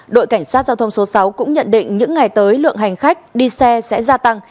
đội cảnh sát giao thông số sáu cũng nhận định những ngày tới lượng hành khách đi xe sẽ gia tăng